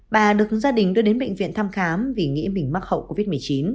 bà được gia đình đưa đến bệnh viện thăm khám vì nghĩ mình mắc hậu covid một mươi chín